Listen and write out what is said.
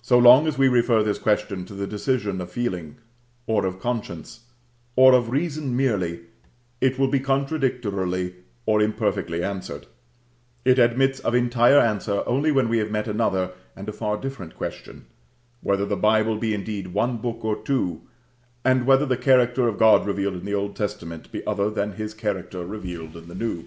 So long as we refer this question to the decision of feeling, or of conscience, or of reason merely, it will be contradictorily or imperfectly answered; it admits of entire answer only when we have met another and a far different question, whether the Bible be indeed one book or two, and whether the character of God revealed in the Old Testament be other than His character revealed in the New.